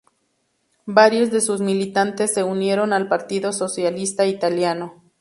Varios de sus militantes se unieron al Partido Socialista Italiano.